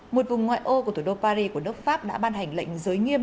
một vùng ngoại ô của thủ đô paris của nước pháp đã ban hành lệnh giới nghiêm